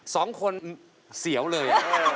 สองคนเสียวเลย